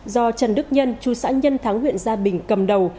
do trần đức nhân chú sãn nhân tháng nguyện gia bình cầm đầu